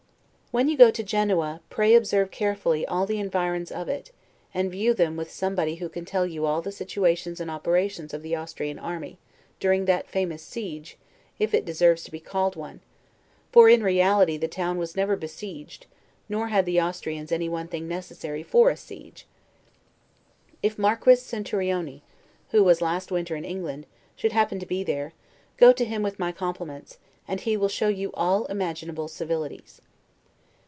When you go to Genoa, pray observe carefully all the environs of it, and view them with somebody who can tell you all the situations and operations of the Austrian army, during that famous siege, if it deserves to be called one; for in reality the town never was besieged, nor had the Austrians any one thing necessary for a siege. If Marquis Centurioni, who was last winter in England, should happen to be there, go to him with my compliments, and he will show you all imaginable civilities.